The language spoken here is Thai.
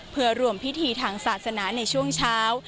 เพื่อรวมพิธีทางศาสนาในช่วงเช้า